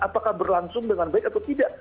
apakah berlangsung dengan baik atau tidak